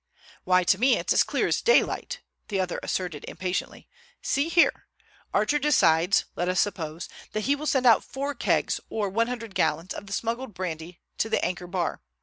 "Why to me it's as clear as daylight," the other asserted impatiently. "See here. Archer decides, let us suppose, that he will send out four kegs, or one hundred gallons, of the smuggled brandy to the Anchor Bar.